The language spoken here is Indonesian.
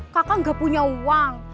kakak gak punya uang